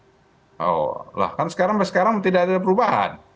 oh lah kan sekarang sampai sekarang tidak ada perubahan